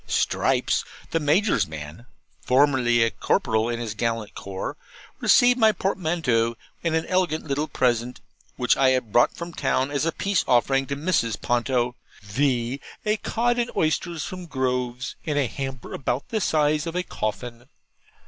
Stripes, the Major's man (formerly corporal in his gallant corps), received my portmanteau, and an elegant little present, which I had brought from town as a peace offering to Mrs. Ponto; viz., a cod and oysters from Grove's, in a hamper about the size of a coffin.